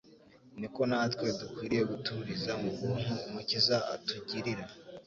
niko natwe dukwiriye guturiza mu buntu Umukiza atugirira.